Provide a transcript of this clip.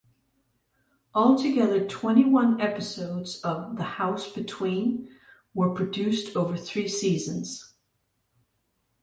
Altogether twenty-one episodes of The House Between were produced over three seasons.